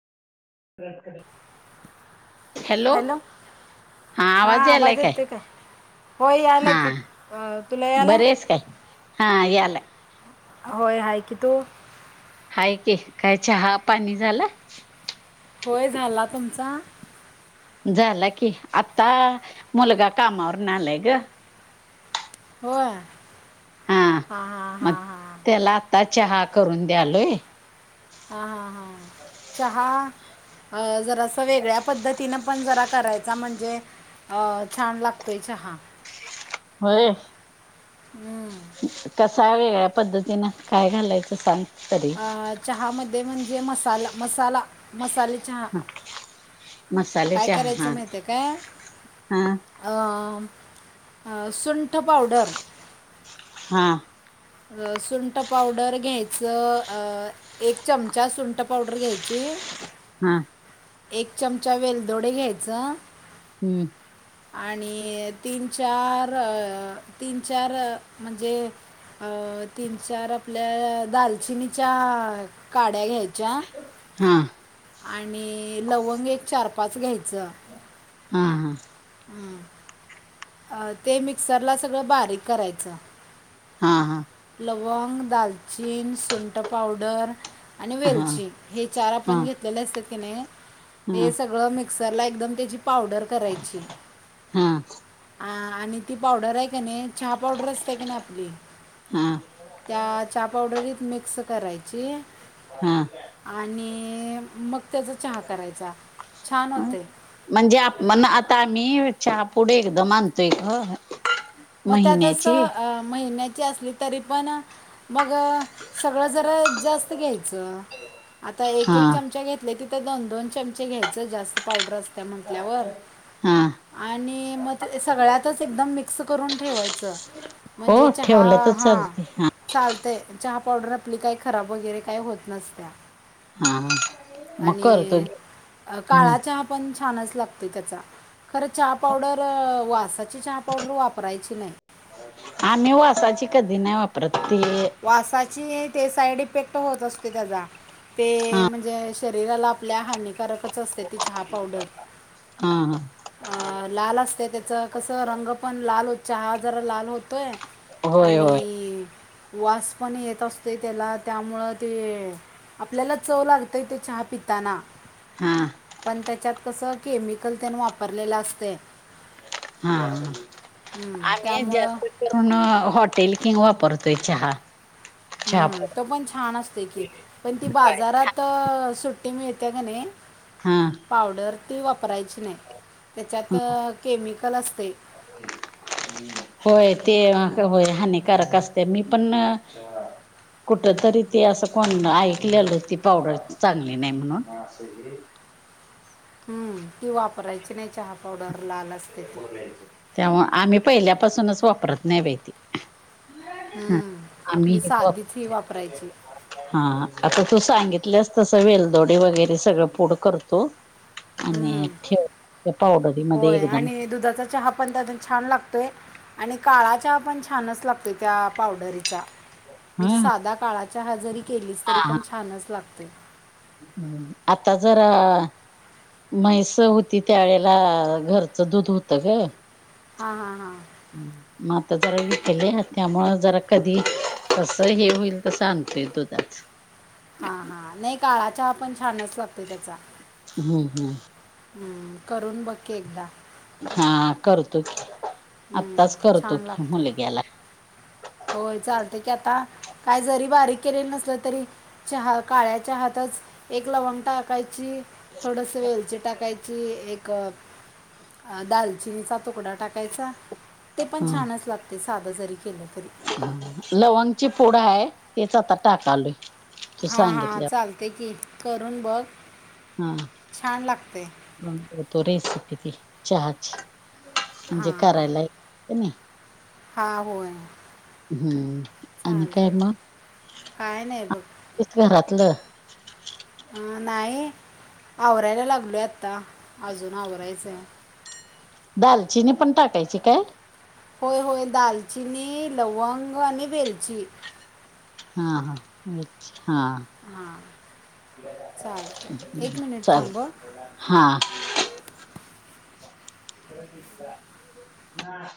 Hello हां हा आवांज यांलायं आवाज कायं येते काय होय यायला की अं, तुला हां यालाय बरेचं कायं हां यांला होयं आहेये की तुं हांय की कायं चहा पाणी झालं होयं झालां तुमचां झालां की आंता मुलगां कामांवर नं आलांय गं होयं हां मंग त्यांला आंता चहा करूंन द्यां आलोयं हां हां हां चहा अं जरां असं वेगळ्यां पद्धतीने पणं जरां करायंचा म्हणजे अं छान लागतोय चहा होये हम्मं कसां वेगळ्यां पद्धतीनं कायं घालायचं सांग तरी अं चहामध्यें म्हणजे मसांला मसांला मसाले अच्छा हा मसाले कायं चहा करायचं हा माहित आहे कायं हा अं सुंठ पावडर हां सुंट पावडर घ्यायचं अं एक चमचा सुंट पावडर घ्यांयची हां एक चमचा वेलदोडे घ्यायचं हम्मं आणि तीनं चार तीनं चार म्हणजे. अं तीनं चार आपल्या दालचिनीच्या कांड्या घ्यांयच्या. च्या हा आणि लवंग एक चार पांच घ्यांयची. चं हम्म हम्मं अं ते मिक्सरलां सगळं बारीक करायचं. हां हां. लवंग दालचचीन सुंट पावडरं. आणि हा हा हा वेलची हे चार हा आपणं घेतलेले असतांत त्यांने हे हा सगळं मिक्. मिक्सर लां एकदंम त्यांची पावडर करायची. हां. हां आणि ती पावडर आहे कां नाहीं चहा पावडर असते नां आपली. हा त्यां चहा पावडरीत मिक्सं करायची. हा आणि मंग त्यांचा चहा करायचां छान होते. म्हणजे म्हंण आंता मीतही चहा पुढे एकदाचं मानतोय कां. मंग त्यांतसं महिन्याची असली तरी पणं मंग. सगळं जरां जास्तं घ्यायचं आंता एक हा एक चमचा घेतं. तिथं दोन दोन चमचे घ्यायचं जास्तं पावडर असतं. त्या म्हटल्यावर हा आणि मग सगळ्यातच एकदम मिक्स करून ठेवायच हो म्हणजे चहा ठेवलं तर हा. चालते चालतंय चहा पावडर आपली काही खराब वगैरे काय होत नसत्या. हा मग आणि करतो की. अ हम्म काळा चहा पण छानच लागतोय त्याचा खर चहा पावडर वासाची चहा पावडर वाप परायची नाही. आम्ही वासाची कधी नाही वापरत ते वासाची ते साईड इफेक्ट होत असतोय त्याचा ते हा म्हणजे शरीराला आपल्या हानिकारकच असते ती चहा पावडर. हा-हा. अ लाल असतया त्याच कस रंग पण लाल होत चहा जरा लाल होतोय. होय होय आणि वास पण येत असतोय त्याला त्यामुळं ते आपल्याला चव लागतंय ते चहा पिताना हा पण त्याच्यात कसं केमिकल त्याने वापरलेलं असतयं. हा हम्म, आम्ही त्यामुळं जास्त करून अ हॉटेल किंग वापरतोय चहा. चहा हम्म तो पण छान असतोय की पण ती बाजारात सुट की मिळत्या कनी हां. पावडर ती वापरायची नाही त्याच्यात केमिकल असतयं. [inaudible] होय ते होय हानिकारक असतयं मी पण कुठ तरी ते असं कोण ऐकलेलं ती पावडर चांगली नाही म्हणून. असं हे हम्म ती वापरायची नाही चहा पावडर लाल असं त्या आम्ही पहिल्यापासूनच वापरत नाही बाई ती. हम्म आम्ही आपली हेच वापर साधीच ही वापरायची हा आता तू सांगितलियास तसं वेलदोडी वगैरे सगळं पुड करतो. आणि हम्म ठेव त्या पावडरीमध्ये होय एकदम आणि दुधाचा चहा पण त्या छान लागतोय आणि काळा चहा पण छानच लागतोय त्या पावडरीचा. म्हणजे हा साधा काळा चहा जरी केलीच तरी पण छानच लागतोय. हम्म, आता जर म्हैस होती त्या वेळेला घरचं दूध होत गं. हा-हा-हा, मग आता जरा विकलय त्यामुळ जरा कधी कसं हे होईल तसं आणतोय दुधाचं. हा-हा, नाही काळा चहा पण छानच लागतोय त्याचा. हम्म-हम्म, हम्म, करून बघकी एकदा. हा करतो की हम्म, आत्ताच करतो छान की लागतोय मुलग्याला. होय चालतंय की आता काय जरी बारीक केलेलं नसल तरी चहा काळ्या चहातच एक लवंग टाकायची थोडस वेलची टाकायची ची एक दालचिनीचा तुकडा टाकायचा ते पण हा छानच लागतंय साधं जरी केलं तरी. लवंगची पुड आहे तेच आता टाकालोय. तू हा हा सांगितल्या चालते की. करून बघ, हा छान लागते [unintelligible] तो रेसिपी ती चहाची. म्हणजे हां करायला येत की नाही. हा, होय. हं, आणि चालते काय मग काय नाही बघ [inaudible] घरातलं अं नाही. आवरायला लागलो आत्ता, अजून आवरायचंये. दालचिनी पण टाकायची काय? होय होय दालचिनी, लवंग आणि वेलची. हां हां, वेलची हां. हां चालतं एक अं मिनिट चाल थांब हं. हां. [unintelligible]